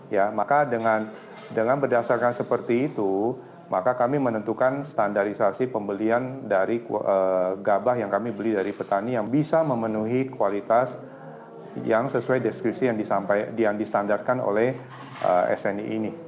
ya maka dengan berdasarkan seperti itu maka kami menentukan standarisasi pembelian dari gabah yang kami beli dari petani yang bisa memenuhi kualitas yang sesuai deskripsi yang distandarkan oleh sni ini